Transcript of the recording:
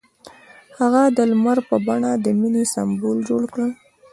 هغه د لمر په بڼه د مینې سمبول جوړ کړ.